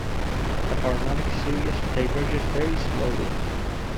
The harmonic series diverges very slowly.